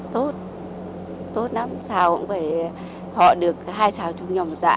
tốt tốt lắm xào cũng phải họ được hai xào chung nhau một tạ